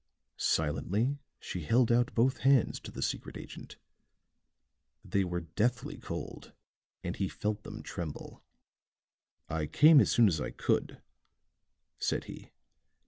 Silently she held out both hands to the secret agent; they were deathly cold and he felt them tremble. "I came as soon as I could," said he.